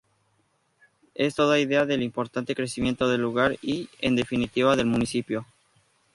Esto da idea del importante crecimiento del lugar y, en definitiva, del municipio.